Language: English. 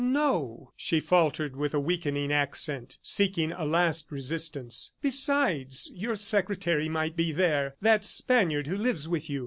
"No," she faltered with a weakening accent, seeking a last resistance. "Besides, your secretary might be there, that Spaniard who lives with you.